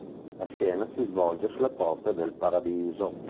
La scena si svolge sulle porte del Paradiso.